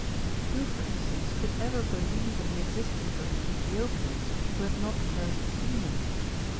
"Who, for instance, could ever believe in the existence of the Ethiopians, who had not first seen them